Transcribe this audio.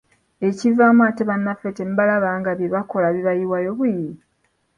Ekivaamu ate bannaffe temubalaba nga bye bakola bibayiwayo buyiyi.